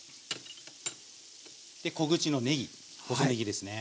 小口のねぎ細ねぎですね。